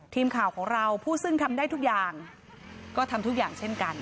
ทีมข่าวของเราผู้ซึ่งทำได้ทุกอย่างก็ทำทุกอย่างเช่นกัน